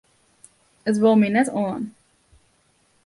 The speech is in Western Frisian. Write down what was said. It wol my net oan.